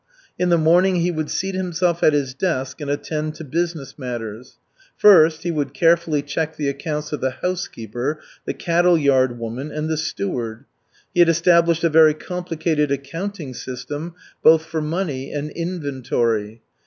In the morning he would seat himself at his desk and attend to business matters. First he would carefully check the accounts of the housekeeper, the cattle yard woman, and the steward. He had established a very complicated accounting system, both for money and inventory.